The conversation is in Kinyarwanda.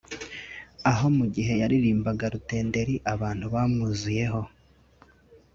aho mu gihe yaririmbaga Rutenderi abantu bamwuzuyeho